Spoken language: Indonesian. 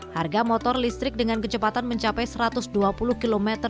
harga motor listrik dengan kecepatan mencapai seratus dan berhasil mencapai seratus